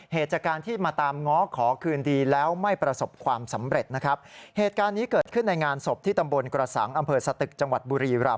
เหตุจากการที่มาตามง้อขอคืนดีแล้วไม่ประสบความสำเร็จนะครับ